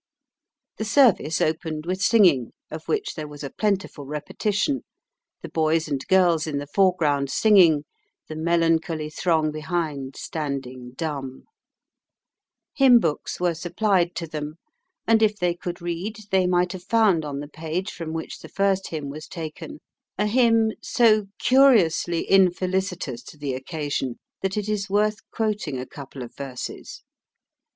The service opened with singing, of which there was a plentiful repetition, the boys and girls in the foreground singing, the melancholy throng behind standing dumb. Hymn books were supplied to them, and if they could read they might have found on the page from which the first hymn was taken a hymn so curiously infelicitous to the occasion that it is worth quoting a couple of verses.